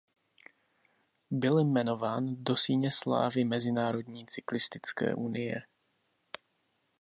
Byl jmenován do Síně slávy Mezinárodní cyklistické unie.